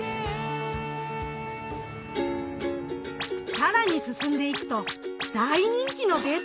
更に進んでいくと大人気のデート